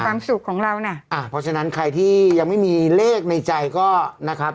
สุขของเราน่ะอ่าเพราะฉะนั้นใครที่ยังไม่มีเลขในใจก็นะครับ